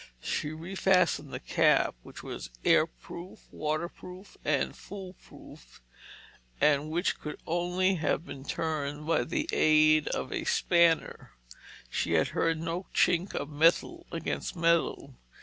She refastened the cap, which was airproof, waterproof, and foolproof, and which could only have been turned by the aid of a spanner—she had heard no chink of metal against metal.